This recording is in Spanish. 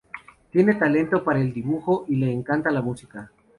Tiene talento para el dibujo y le encanta la música.